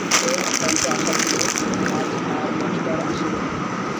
মনে একান্ত আশা ছিল, আজ আর মাস্টার আসিবে না।